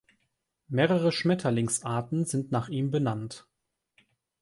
Mehrere Schmetterlingsarten sind nach ihm benannt.